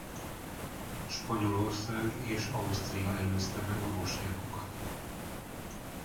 Spanyolország és Ausztria előzte meg a bosnyákokat.